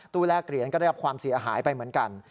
แลกเหรียญก็ได้รับความเสียหายไปเหมือนกัน